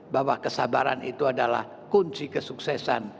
bahwa kesabaran itu adalah kunci kesuksesan